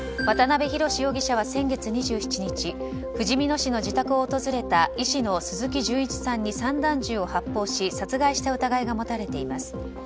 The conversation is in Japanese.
渡辺宏容疑者は先月２７日ふじみ野市の自宅を訪れた医師の鈴木純一さんに散弾銃を発砲し殺害した疑いが持たれています。